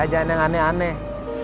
jangan yang aneh aneh